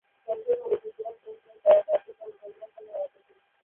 সম্পূর্ণ উপজেলার প্রশাসনিক কার্যক্রম হোমনা থানার আওতাধীন।